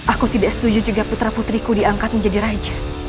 aku tidak setuju jika putra putriku diangkat menjadi raja